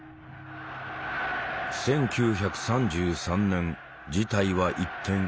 １９３３年事態は一転。